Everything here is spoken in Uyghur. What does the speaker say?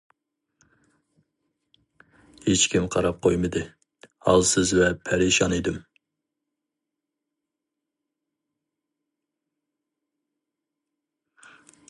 ھېچكىم قاراپ قويمىدى، ھالسىز ۋە پەرىشان ئىدىم.